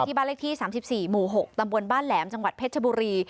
บ้านเลขที่๓๔หมู่๖ตำบลบ้านแหลมจังหวัดเพชรบุรี